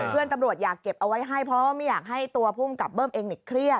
เพื่อนตำรวจอยากเก็บเอาไว้ให้เพราะว่าไม่อยากให้ตัวภูมิกับเบิ้มเองเครียด